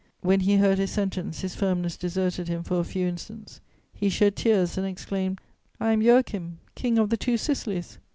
When he heard his sentence, his firmness deserted him for a few instants; he shed tears and exclaimed: "I am Joachim King of the Two Sicilies!"